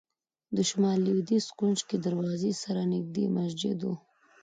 د شمال لوېدیځ کونج کې دروازې سره نږدې مسجد و.